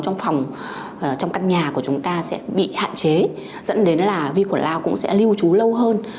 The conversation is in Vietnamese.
trong phòng trong căn nhà của chúng ta sẽ bị hạn chế dẫn đến là vi khuẩn lao cũng sẽ lưu trú lâu hơn